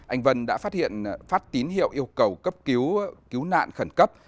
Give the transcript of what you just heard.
anh vân đã phát tín hiệu yêu cầu cấp cứu nạn khẩn cấp